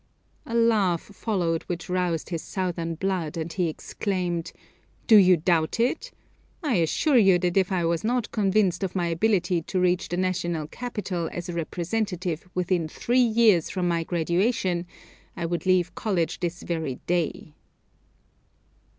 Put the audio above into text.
A laugh followed which roused his Southern blood, and he exclaimed: "Do you doubt it? I assure you that if I was not convinced of my ability to reach the National Capitol as a representative within three years from my graduation, I would leave college this very day."